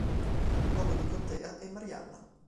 Il capoluogo di contea è Marianna.